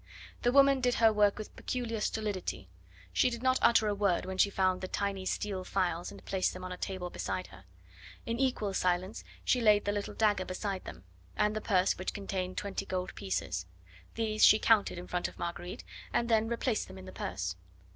The woman did her work with peculiar stolidity; she did not utter a word when she found the tiny steel files and placed them on a table beside her. In equal silence she laid the little dagger beside them, and the purse which contained twenty gold pieces. These she counted in front of Marguerite and then replaced them in the purse.